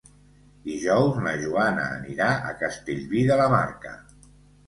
Dijous na Joana anirà a Castellví de la Marca.